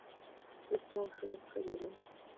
زه د ځان ښه نسخه جوړوم.